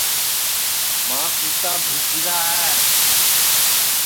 ماں کُوتا بھُوسِیرا ہے